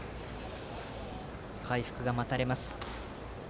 回復が待たれます。